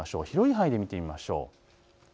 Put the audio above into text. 広い範囲で見てみましょう。